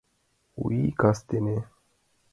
У ИЙ КАСТЕНЕ